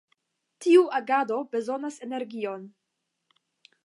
Tiu agado bezonas energion.